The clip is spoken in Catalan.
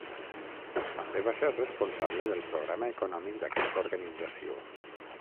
També va ser responsable del programa econòmic d'aquesta organització.